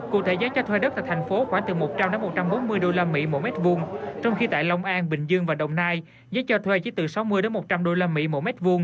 cụ thể giá cho thuê đất tại thành phố khoảng từ một trăm linh một trăm bốn mươi usd m m hai trong khi tại long an bình dương và đồng nai giá cho thuê chỉ từ sáu mươi một trăm linh usd m m hai